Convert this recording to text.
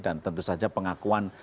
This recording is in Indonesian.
dan tentu saja pengakuan